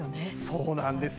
そうなんですよ。